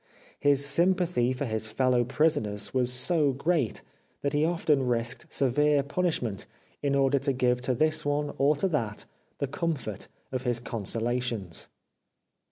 His sympathy for his fellow prisoners was so great that he often risked severe punishment in order to give to this one or to that the com fort of his consolations.